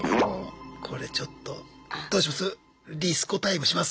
これちょっとどうします？